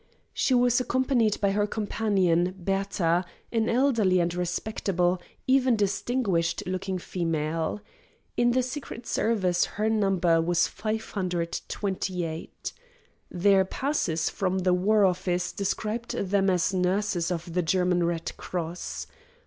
She was accompanied by her companion, Bertha, an elderly and respectable, even distinguished looking female. In the secret service her number was 528. Their passes from the war office described them as nurses of the German Red Cross.